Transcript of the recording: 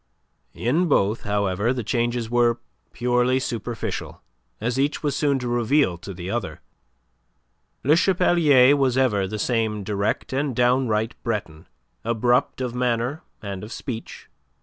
In both, however, the changes were purely superficial, as each was soon to reveal to the other. Le Chapelier was ever the same direct and downright Breton, abrupt of manner and of speech.